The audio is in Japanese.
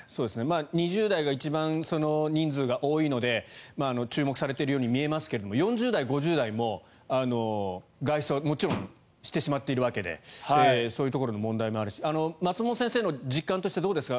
２０代が一番人数が多いので注目されているように見えますが４０代、５０代も外出はもちろんしてしまっているわけでそういうところの問題もあるし松本先生の実感としてどうですか？